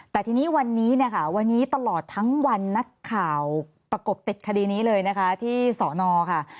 แต่ทีนี้วันนี้เนี่ยค่ะวันนี้ตลอดทั้งวันนักข่าวประกบติดคดีนี้เลยนะคะที่สอนอค่ะ